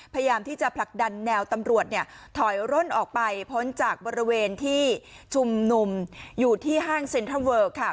พยายามที่จะผลักดันแนวตำรวจเนี่ยถอยร่นออกไปพ้นจากบริเวณที่ชุมนุมอยู่ที่ห้างเซ็นเทอร์เวอร์ค่ะ